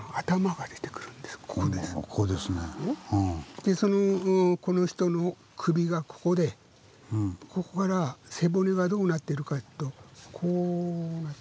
でこの人の首がここでここから背骨がどうなってるかというとこうなって。